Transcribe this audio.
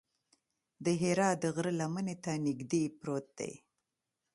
د حرا د غره لمنې ته نږدې پروت دی.